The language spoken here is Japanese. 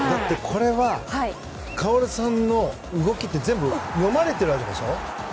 これは薫さんの動きは全部、読まれているわけでしょ。